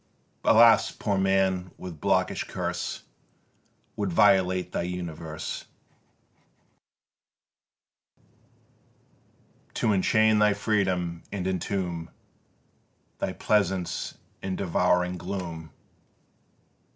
Alas! poor man, what blockish curse Would violate thy universe, To enchain thy freedom and entomb Thy pleasance in devouring gloom?